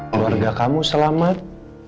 keluarga kamu selamat